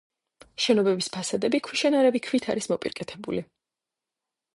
შენობების ფასადები ქვიშანარევი ქვით არის მოპირკეთებული.